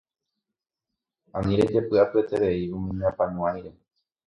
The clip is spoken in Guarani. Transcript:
Ani rejepy'apyeterei umi ne apañuáire